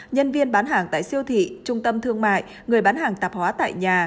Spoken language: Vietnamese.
nhân viên bán hàng tại siêu thị trung tâm thương mại người bán hàng tạp hóa tại nhà